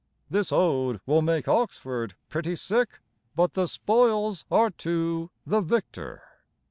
This ode Will make Oxford pretty sick; But the spoils are to the victor.